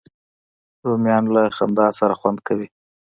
رومیان له خندا سره خوند کوي